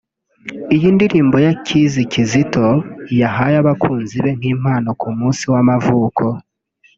Iyi ndirimbo ya Khizz Kizito yahaye abakunzi be nk’impano ku munsi w’amavuko